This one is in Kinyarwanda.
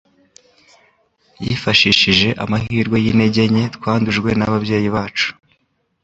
yifashishije amahirwe y'intege nke twandujwe n'ababyeyi bacu,